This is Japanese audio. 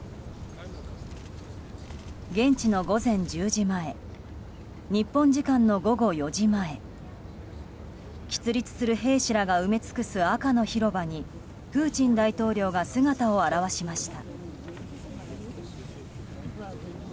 現地の午前１０時前日本時間の午後４時前きつ立する兵士らが埋め尽くす赤の広場にプーチン大統領が姿を現しました。